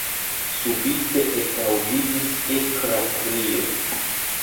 Subite ekaŭdiĝis akra krio.